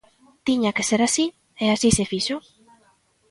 Tiña que ser así, e así se fixo.